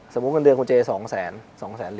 สมมุติเงินเดือนคุณเจ๒๐๐๐๐๐บาท